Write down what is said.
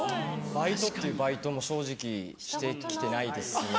バイトっていうバイトも正直して来てないですね。